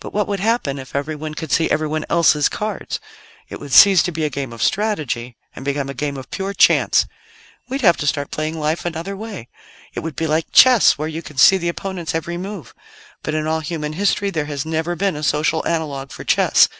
But what would happen if everyone could see everyone else's cards? It would cease to be a game of strategy, and become a game of pure chance. "We'd have to start playing Life another way. It would be like chess, where you can see the opponent's every move. But in all human history there has never been a social analogue for chess.